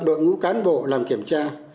đội ngũ cán bộ làm kiểm tra